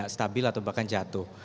stabil atau bahkan jatuh